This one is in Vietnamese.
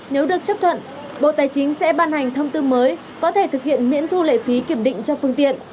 nếu được chấp thuận bộ tài chính sẽ ban hành thông tư mới có thể thực hiện miễn thu lệ phí kiểm định cho phương tiện